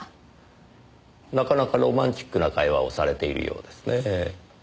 なかなかロマンチックな会話をされているようですねぇ。